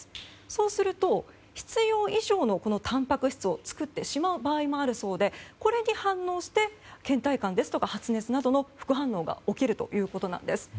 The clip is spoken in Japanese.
そうすると必要以上のたんぱく質を作ってしまう場合もあるそうでこれに反応して倦怠感ですとか発熱などの副反応が起きるということなんです。